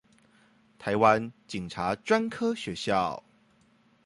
臺灣警察專科學校